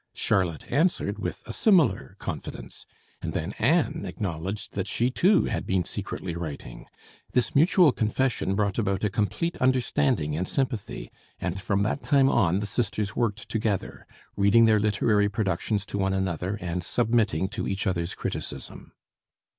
Charlotte answered with a similar confidence, and then Anne acknowledged that she too had been secretly writing. This mutual confession brought about a complete understanding and sympathy, and from that time on the sisters worked together reading their literary productions to one another and submitting to each other's criticism."